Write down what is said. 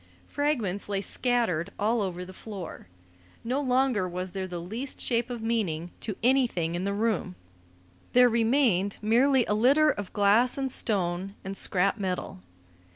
Fragments lay scattered all over the floor. No longer was there the least shape of meaning to anything in the room; there remained merely a litter of glass and stone and scrap metal.